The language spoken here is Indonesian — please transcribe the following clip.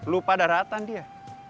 lupa daratan dia